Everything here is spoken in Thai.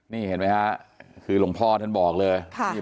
นี่เห็นไหมฮะคือหลวงพ่อท่านบอกเลย